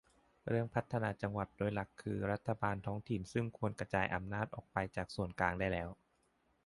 เรื่องพัฒนาจังหวัด โดยหลักคือรัฐบาลท้องถิ่น ซึ่งควรจะกระจายอำนาจออกไปจากส่วนกลางได้แล้ว